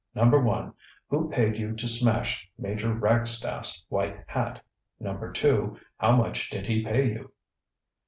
ŌĆ£Number one: Who paid you to smash Major Ragstaff's white hat? Number two: How much did he pay you?